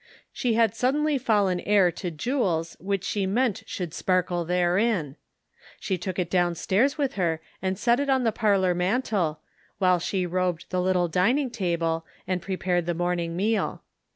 She had suddenly fallen heir to jewels which she meant should sparkle therein. She took it down stairs with her and set it on the parlor mantel, while she robed the little dining table and prepared the morning meal.